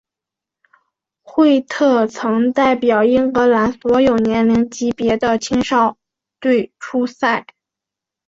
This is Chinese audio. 惠特曾代表英格兰所有年龄级别的青少队出赛。